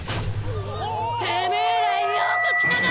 てめえらよくきたな！